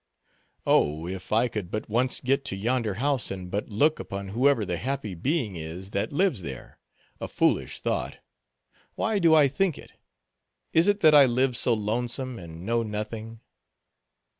"Oh, if I could but once get to yonder house, and but look upon whoever the happy being is that lives there! A foolish thought: why do I think it? Is it that I live so lonesome, and know nothing?"